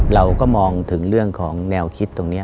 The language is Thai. เราก็มองถึงเรื่องของแนวคิดตรงนี้